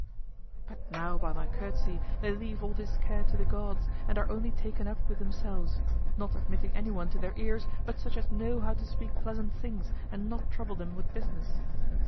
But now by my courtesy they leave all this care to the gods and are only taken up with themselves, not admitting anyone to their ear but such as know how to speak pleasant things and not trouble them with business.